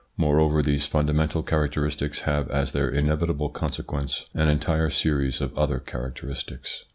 Moreover these fundamental characteristics have as their inevitable consequence an entire series of other characteristics.